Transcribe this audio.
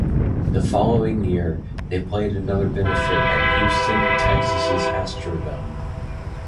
The following year, they played another benefit at Houston, Texas's Astrodome.